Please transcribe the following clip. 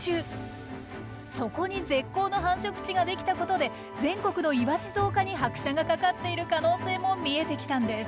そこに絶好の繁殖地ができたことで全国のイワシ増加に拍車がかかっている可能性も見えてきたんです。